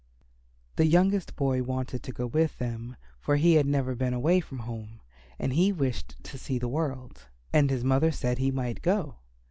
The youngest boy wanted to go with them, for he had never been away from home and he wished to see the world. And his mother said he might go.